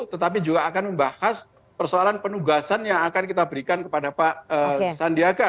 tetapi juga akan membahas persoalan penugasan yang akan kita berikan kepada pak sandiaga